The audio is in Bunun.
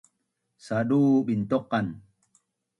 sadu bintuqan